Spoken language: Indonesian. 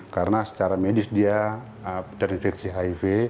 karena secara medis dia terinfeksi hiv